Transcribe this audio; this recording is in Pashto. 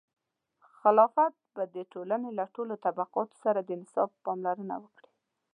خلافت به د ټولنې له ټولو طبقو سره د انصاف پاملرنه وکړي.